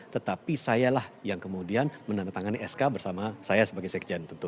tetapi sayalah yang kemudian menandatangani sk bersama saya sebagai sekjen tentu